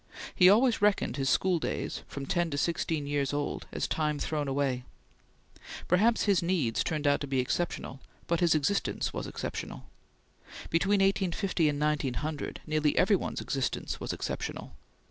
He always reckoned his school days, from ten to sixteen years old, as time thrown away. Perhaps his needs turned out to be exceptional, but his existence was exceptional. Between 1850 and 1900 nearly every one's existence was exceptional.